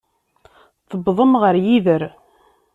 Tewwḍem ɣer yider.